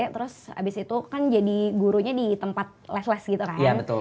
terus habis itu kan jadi gurunya di tempat les les gitu kan